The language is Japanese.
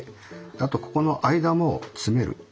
あとここの間も詰める。